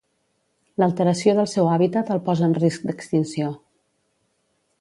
L'alteració del seu hàbitat el posa en risc d'extinció.